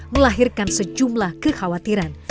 melahirkan sejumlah kekhawatiran